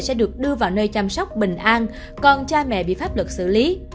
trẻ em được đưa vào nơi chăm sóc bình an còn cha mẹ bị pháp luật xử lý